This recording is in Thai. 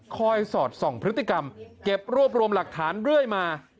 สอดส่องพฤติกรรมเก็บรวบรวมหลักฐานเรื่อยมา